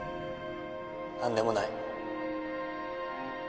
何でもない